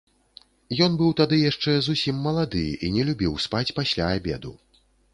Ён быў тады яшчэ зусім малады і не любіў спаць пасля абеду.